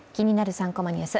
３コマニュース」